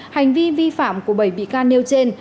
hành vi vi phạm của bảy bị can nêu trên